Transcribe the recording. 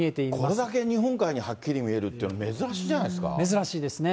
これだけ日本海にはっきり見えるっていうの、珍しいんじゃな珍しいですね。